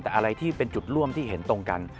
แต่อะไรที่เป็นจุดร่วมที่เห็นตรงกัน